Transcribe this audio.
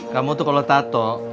kamu tuh kalau tato